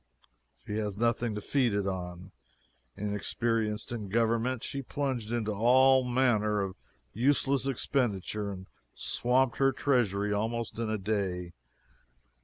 She has nothing to feed it on. Inexperienced in government, she plunged into all manner of useless expenditure, and swamped her treasury almost in a day.